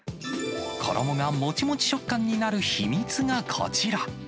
衣がもちもち食感になる秘密がこちら。